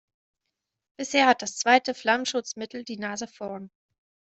Bisher hat das zweite Flammschutzmittel die Nase vorn.